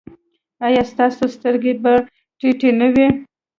ایا ستاسو سترګې به ټیټې نه وي؟